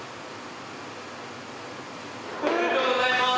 おめでとうございます！